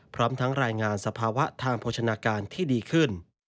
พร้อมทั้งรายงานสภาวะทางโภชนาการที่ดีขึ้น